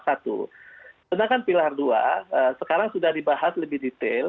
sedangkan pilar dua sekarang sudah dibahas lebih detail